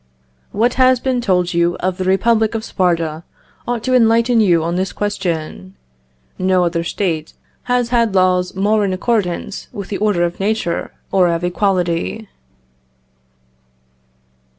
"What has been told you of the republic of Sparta ought to enlighten you on this question. No other State has had laws more in accordance with the order of nature or of equality."